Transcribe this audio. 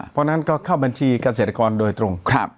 เพราะฉะนั้นก็เข้าบัญชีเกษตรกรโดยตรง